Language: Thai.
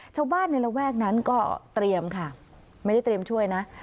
ชาวบ้านในระแวกนั้นก็เตรียมค่ะไม่ได้เตรียมช่วยนะ